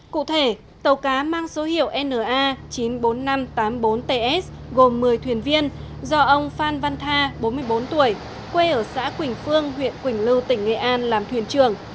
cụ thể tàu cá mang số hiệu na chín mươi bốn nghìn năm trăm tám mươi bốn ts gồm một mươi thuyền viên do ông phan văn tha bốn mươi bốn tuổi quê ở xã quỳnh phương huyện quỳnh lưu tỉnh nghệ an làm thuyền trưởng